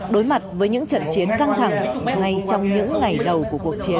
đối mặt với những trận chiến căng thẳng ngay trong những ngày đầu của cuộc chiến